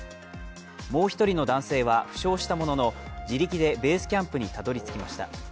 もう１人の男性は負傷したものの自力でベースキャンプに辿り着きました。